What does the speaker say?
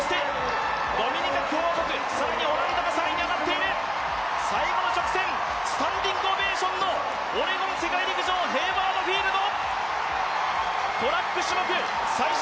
そして、ドミニカ共和国更にオランダが３位に上がっている最後の直線、スタンディングオベーションのオレゴン世界陸上ヘイワード・フィールド。